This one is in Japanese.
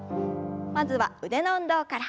まずは腕の運動から。